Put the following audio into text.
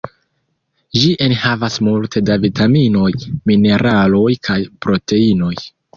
Ĝi enhavas multe da vitaminoj, mineraloj kaj proteinoj.